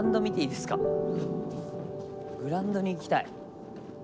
グラウンドに行きたい。